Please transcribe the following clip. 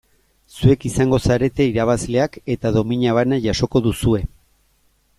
Zuek izango zarete irabazleak eta domina bana jasoko duzue.